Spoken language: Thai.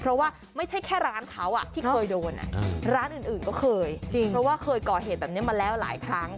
เพราะว่าไม่ใช่แค่ร้านเขาที่เคยโดนร้านอื่นก็เคยเพราะว่าเคยก่อเหตุแบบนี้มาแล้วหลายครั้ง